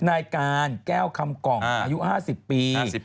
นายการแก้วคำกล่องอายุ๕๐ปี